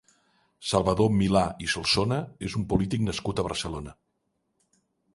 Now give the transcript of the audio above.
Salvador Milà i Solsona és un polític nascut a Barcelona.